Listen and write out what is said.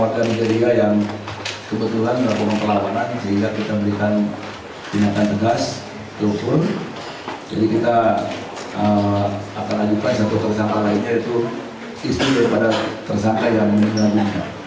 jadi kita akan ajukan satu tersangka lainnya itu isu daripada tersangka yang menerima